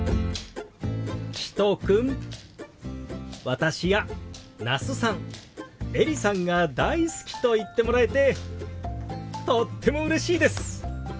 私や那須さんエリさんが大好きと言ってもらえてとってもうれしいです！